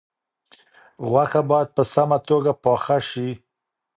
غوښه باید په سمه توګه پاخه شي.